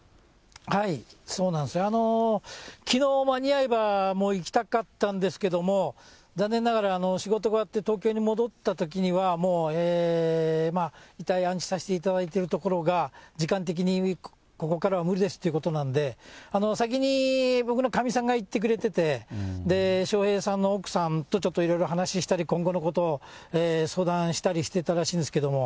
そうなんです、きのう、間に合えば行きたかったんですけれども、残念ながら、仕事が終わって東京に戻ったときにはもう、遺体安置させていただいている所が、時間的にここからは無理ですっていうことなんで、先に僕のかみさんが行ってくれてて、笑瓶さんの奥さんとちょっといろいろ話したり、今後のことを相談したりしてたらしいんですけども。